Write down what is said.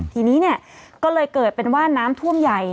ทีนี้เนี่ยก็เลยเกิดเป็นว่าน้ำท่วมใหญ่